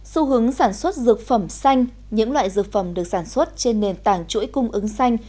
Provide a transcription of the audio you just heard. xu hướng sản xuất dược phẩm xanh những loại dược phẩm được sản xuất trên nền tảng chuỗi cung ứng xanh